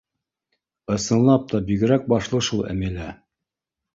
— Ысынлап та, бигерәк башлы шул Әмилә.